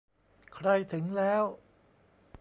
ใครถึงแล้ว